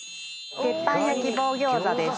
鉄板焼き棒餃子です。